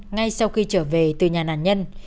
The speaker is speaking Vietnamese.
ngay sau khi trở về từ nhà nạn nhân